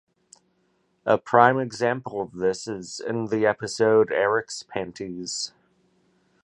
A prime example of this is in the episode "Eric's Panties".